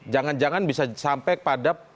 jangan jangan bisa sampai pada